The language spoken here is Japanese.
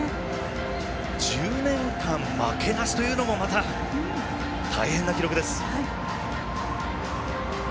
１０年間負けなしというのもまた、大変な記録です。